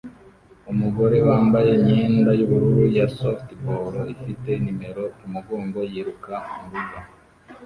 Umugore wambaye imyenda yubururu ya softball ifite numero kumugongo yiruka murugo